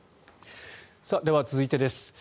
では、続いてです。